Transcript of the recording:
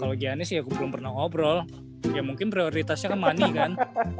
kalo gianis ya gua belom pernah ngobrol ya mungkin prioritasnya kan money kan